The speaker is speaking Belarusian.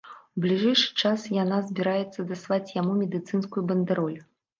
У бліжэйшы час яна збіраецца даслаць яму медыцынскую бандэроль.